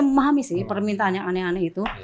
memahami sih permintaannya aneh aneh itu